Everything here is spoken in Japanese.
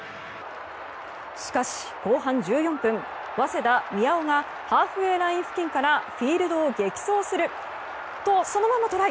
しかし、後半１４分早稲田、宮尾がハーフウェーライン付近からフィールドを激走するとそのままトライ。